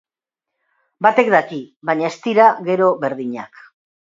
Batek daki, baina ez dira, gero, berdinak.